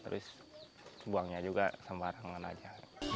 terus buangnya juga sampah rangan aja